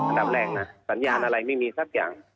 อันดับแรกนะสัญญาณอะไรไม่มีสักอย่าง